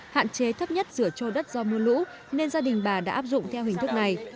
hạn chế thấp nhất rửa trôi đất do mưa lũ nên gia đình bà đã áp dụng theo hình thức này